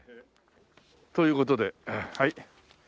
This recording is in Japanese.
という事ではい。